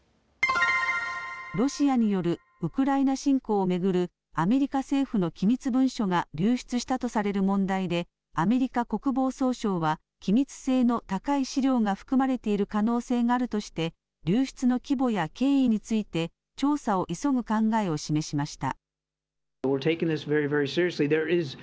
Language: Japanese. ロシアによるウクライナ侵攻を巡るアメリカ政府の機密文書が流出したとされる問題でアメリカ国防総省は機密性の高い資料が含まれている可能性があるとして流出の規模や経緯について調査を急ぐ考えを示しました。